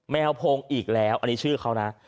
แมวพงอีกแล้วอันนี้ชื่อเขานะ